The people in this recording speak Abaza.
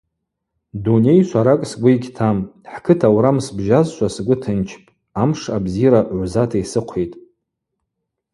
Дуней шваракӏ сгвы йгьтам, хӏкыт аурам сбжьазшва сгвы тынчпӏ, амш абзира гӏвзата йсыхъвитӏ.